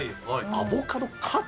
アボカドカツ？